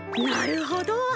なるほど。